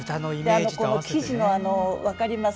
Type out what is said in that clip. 生地の分かります？